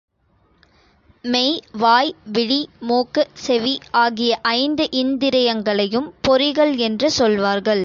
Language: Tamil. மெய், வாய், விழி, மூக்கு, செவி ஆகிய ஐந்து இந்திரியங்களையும் பொறிகள் என்று சொல்வார்கள்.